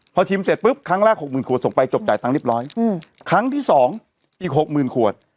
พอชิมเสร็จปุ๊บครั้งแรก๖๐๐ขวดส่งไปจบจ่ายตังค์เรียบร้อยครั้งที่สองอีกหกหมื่นขวด